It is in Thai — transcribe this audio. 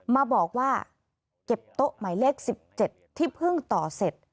มาบอกว่าเก็บโต๊ะหมายเลข๑๗ที่เพิ่งต่อเสร็จ